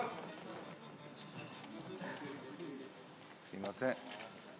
すいません。